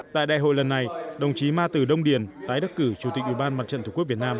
tại đại hội lần này đồng chí ma tử đông điền tái đắc cử chủ tịch ủy ban mặt trận tổ quốc việt nam